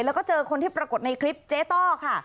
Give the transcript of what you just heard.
แล้วก็เจอคนที่ปรากฏในคลิปเจ๊ต้อค่ะ